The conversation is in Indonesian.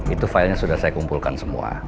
itu file nya sudah saya kumpulkan semua